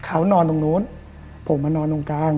เขานอนตรงนู้นผมมานอนตรงกลาง